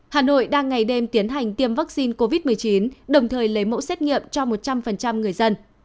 hà nội đang ngày đêm tiến hành tiêm vaccine covid một mươi chín đồng thời lấy mẫu xét nghiệm cho một trăm linh người dân